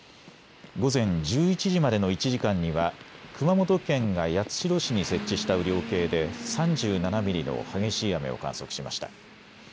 午前１１時までの１時間には熊本県が八代市に設置した雨量計で３７ミリの激しい雨を観測しました。